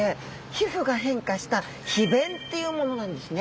皮膚が変化した皮弁っていうものなんですね。